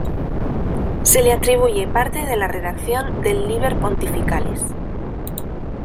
Se le atribuye parte de la redacción del "Liber Pontificalis".